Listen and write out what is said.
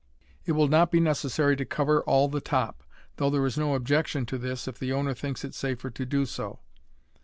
It will not be necessary to cover all the top, though there is no objection to this if the owner thinks it safer to do so.